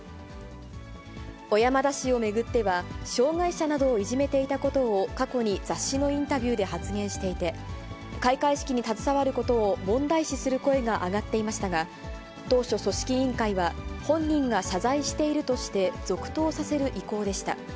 小山田氏を巡っては、障がい者などをいじめていたことを、過去に雑誌のインタビューで発言していて、開会式に携わることを問題視する声が上がっていましたが、当初、組織委員会は本人が謝罪しているとして、続投させる意向でした。